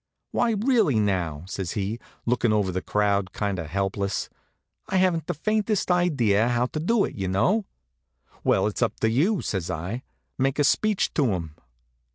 "Why, really, now," says he, lookin' over the crowd kind of helpless, "I haven't the faintest idea how to do it, y'know." "Well, it's up to you," says I. "Make a speech to 'em."